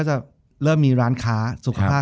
จบการโรงแรมจบการโรงแรม